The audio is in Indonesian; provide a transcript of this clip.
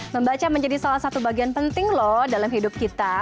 membaca menjadi salah satu bagian penting loh dalam hidup kita